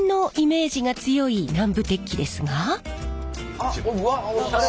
あっうわおしゃれ！